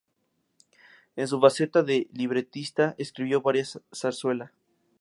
En su faceta de libretista, escribió varias zarzuela.